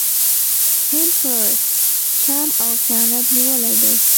هند په چم او خیانت نیولی دی.